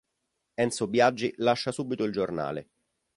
Enzo Biagi lascia subito il giornale.